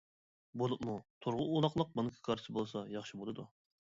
بولۇپمۇ تورغا ئۇلاقلىق بانكا كارتىسى بولسا ياخشى بولىدۇ.